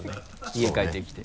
家帰ってきて。